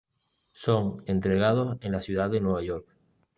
Son entregados en la ciudad de Nueva York.